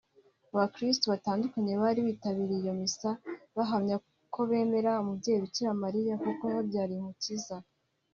Abakirisitu batandukanye bari bitabiriye iyo misa bahamya ko bemera umubyeyi Bikira Mariya kuko yababyariye umukiza